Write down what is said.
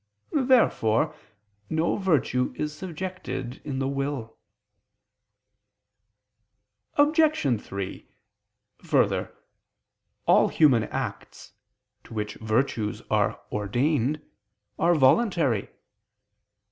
Therefore no virtue is subjected in the will. Obj. 3: Further, all human acts, to which virtues are ordained, are voluntary.